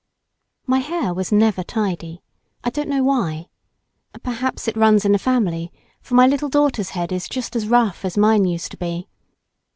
My hair was never tidy—I don't know why. Perhaps it runs in the family—for my little daughter's head is just as rough as mine used to be.